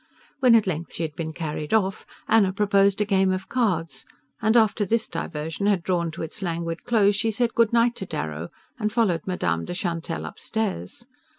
When at length she had been carried off, Anna proposed a game of cards, and after this diversion had drawn to its languid close she said good night to Darrow and followed Madame de Chantelle upstairs.